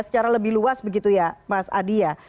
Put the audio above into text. secara lebih luas begitu ya mas adi ya